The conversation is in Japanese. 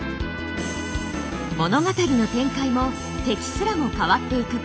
物語の展開も敵すらも変わっていく